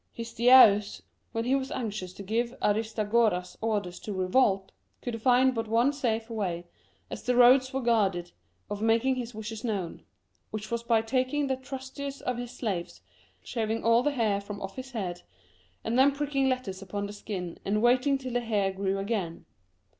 Histiaeus, when he was anxious to give Aris tagoras orders to revolt, could find but one safe way, as the roads were guarded, of making his wishes known : which was by taking the trustiest of his slaves, shaving all the hair from off his head, and then pricking letters upon the skin, and waiting till the hair grew again.